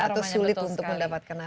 atau sulit untuk mendapatkan